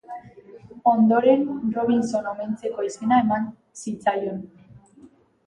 Ondoren Robinson omentzeko izena eman zitzaion.